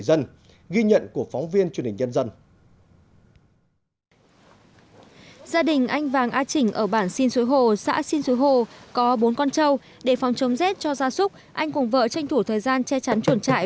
anh cùng vợ tranh thủ thời gian che chắn chuồn trại